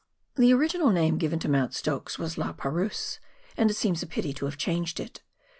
The original name given to Mount Stokes was " LaPerouse," and it seems a pity to have changed it.